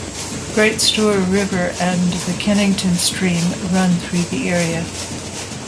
The Great Stour river and the Kennington stream run through the area.